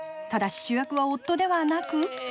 ただし主役は夫ではなく。